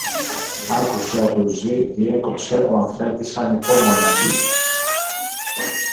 Άκουσε, Αμπρουζή, διέκοψε ο αφέντης ανυπόμονα